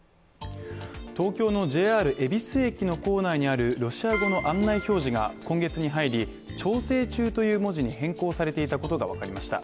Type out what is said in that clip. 東京のＪＲ恵比寿駅の構内にあるロシア語の案内表示が今月に入り「調整中」という文字に変更されていたことが分かりました。